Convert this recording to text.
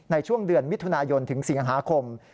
ในช่วงเดือนวิทยุนายนถึง๔อาคม